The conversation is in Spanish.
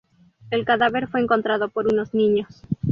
El cadáver fue encontrado por unos niños.